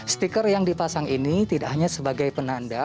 stiker yang dipasang ini tidak hanya sebagai penanda